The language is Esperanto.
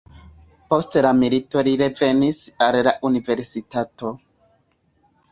Post la milito li revenis al la universitato.